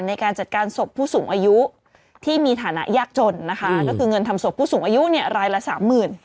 ในการจัดการศพผู้สูงอายุที่มีฐานะยากจนนะคะก็คือเงินทำศพผู้สูงอายุเนี่ยรายละสามหมื่น